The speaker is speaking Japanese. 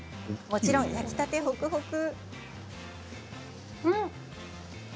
もちろん焼きたてで、ほくほく。